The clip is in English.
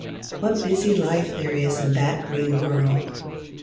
What busy life there is in that green world!